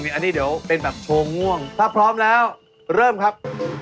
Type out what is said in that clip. เบอร์สองอันนี้จะเป็นแบบโชว์โชวกินผักเริ่มครับ